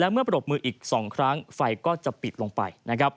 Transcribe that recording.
เมื่อปรบมืออีก๒ครั้งไฟก็จะปิดลงไป